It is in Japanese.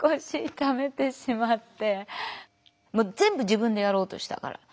もう全部自分でやろうとしたから。